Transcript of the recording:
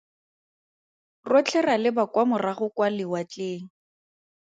Rotlhe ra leba kwa morago kwa lewatleng.